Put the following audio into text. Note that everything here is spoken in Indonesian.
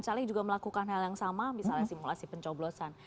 caleg juga melakukan hal yang sama misalnya simulasi pencoblosan